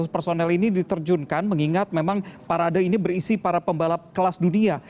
lima ratus personel ini diterjunkan mengingat memang parade ini berisi para pembalap kelas dunia